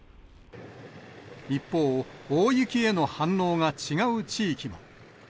一方、大雪への反応が違う地域も。